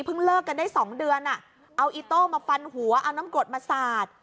เลิกกันได้๒เดือนเอาอิโต้มาฟันหัวเอาน้ำกรดมาสาด